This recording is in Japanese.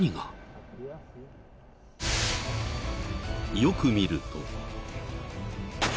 ［よく見ると］